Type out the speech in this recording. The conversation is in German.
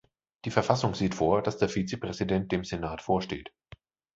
Die Verfassung sieht vor, dass der Vizepräsident dem Senat vorsteht.